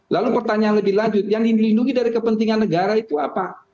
lalu pertanyaan lebih lanjut yang dilindungi dari kepentingan negara itu apa